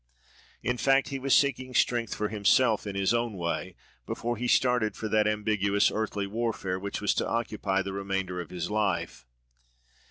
In fact, he was seeking strength for himself, in his own way, before he started for that ambiguous earthly warfare which was to occupy the remainder of his life.